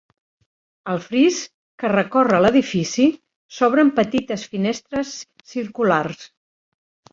Al fris que recorre l'edifici s'obren petites finestres circulars.